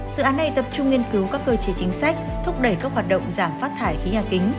dự án này tập trung nghiên cứu các cơ chế chính sách thúc đẩy các hoạt động giảm phát thải khí nhà kính